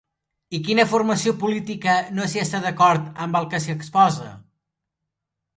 I quina formació política no hi està d'acord amb el que s'hi exposa?